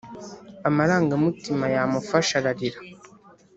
Amarangamutima yamufashe ararira